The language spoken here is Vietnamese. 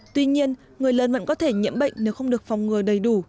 tuy nhiên người lớn vẫn có thể nhiễm bệnh nếu không được phòng ngừa đầy đủ